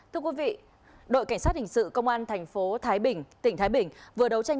thưa quý vị đội cảnh sát hình sự công an tp thái bình tỉnh thái bình vừa đấu tranh